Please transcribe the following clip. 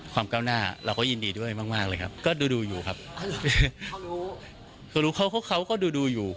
เขารู้เขาก็ดูอยู่